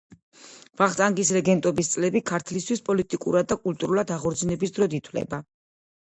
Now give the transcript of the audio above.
ვახტანგის რეგენტობის წლები ქართლისთვის პოლიტიკურად და კულტურულად აღორძინების დროდ ითვლება.